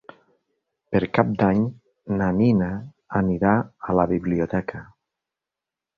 Per Cap d'Any na Nina anirà a la biblioteca.